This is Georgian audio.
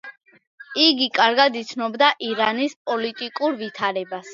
იგი კარგად იცნობდა ირანის პოლიტიკურ ვითარებას.